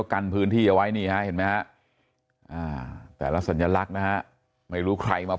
กันพื้นที่เอาไว้นี่ฮะเห็นไหมฮะแต่ละสัญลักษณ์นะฮะไม่รู้ใครมา